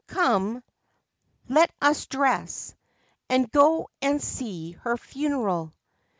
Come : let us dress, and go and see her funeral.